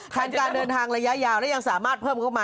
แทนการเดินทางระยะยาวและยังสามารถเพิ่มเข้ามา